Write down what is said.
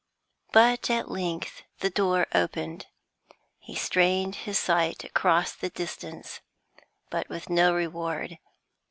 But at length the door opened. He strained his sight across the distance, but with no reward.